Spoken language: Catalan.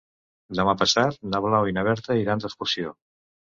Demà passat na Blau i na Berta iran d'excursió.